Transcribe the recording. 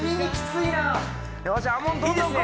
いいですね